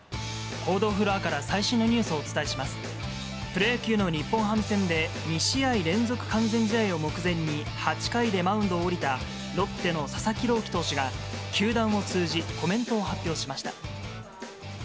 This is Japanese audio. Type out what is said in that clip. プロ野球の日本ハム戦で、２試合連続完全試合を目前に、８回でマウンドを降りたロッテの佐々木朗希投手が、球団を通じ、コメントを発表しました。